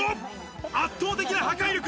圧倒的な破壊力。